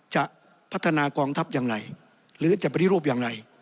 จะพัฒนากองทัพอย่างไรหรือจะปฏิรูปอย่างไร